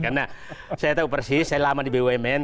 karena saya tahu persis saya lama di bumn